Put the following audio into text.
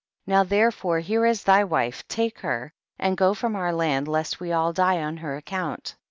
30. Now therefore here is thy wife, take her and go from our land lest we all die on her account.